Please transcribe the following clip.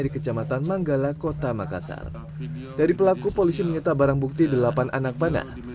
di kecamatan manggala kota makassar dari pelaku polisi menyita barang bukti delapan anak panah